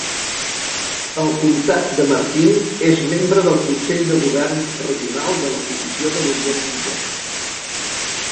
El comtat de Martin és membre del consell de governs regional de la Comissió de l'Orient Mitjà.